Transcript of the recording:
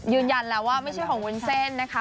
ยืนยันแล้วว่าไม่ใช่ของวุ้นเส้นนะคะ